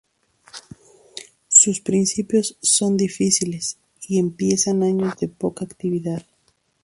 Sus principios son difíciles y empiezan años de poca actividad.